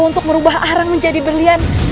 untuk merubah arang menjadi berlian